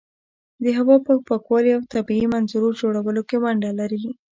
د هوا په پاکوالي او طبیعي منظرو جوړولو کې ونډه لري.